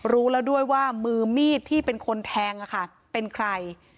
รู้แล้วด้วยว่ามือมีดที่เป็นคนแทงเป็นใคร